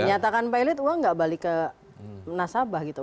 dinyatakan pilot uang gak balik ke nasabah gitu